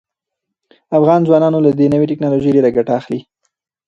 افغان ځوانان له دې نوې ټیکنالوژۍ ډیره ګټه اخلي.